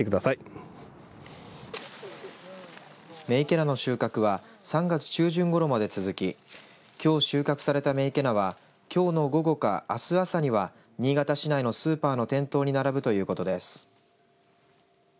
女池菜の収穫は３月中旬ごろまで続ききょう収穫された女池菜はきょうの午後か、あす朝には新潟市内のスーパーの店頭に並ぶということです。